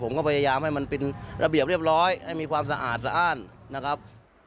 ผมก็พยายามให้มันเป็นระเบียบเรียบร้อยให้มีความสะอาดสะอ้านนะครับ